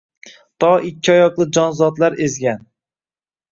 To ikki oyoqli jonzotlar ezgan